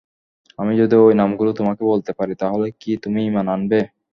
আমি যদি ঐ নামগুলো তোমাকে বলতে পারি তাহলে কি তুমি ঈমান আনবে?